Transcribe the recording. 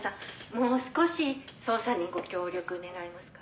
もう少し捜査にご協力願えますか」